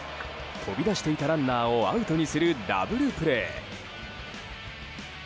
飛び出していたランナーをアウトにするダブルプレー。